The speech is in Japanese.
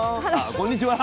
こんにちは。